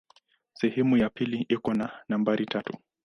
Sehemu ya pili iko na nambari tatu.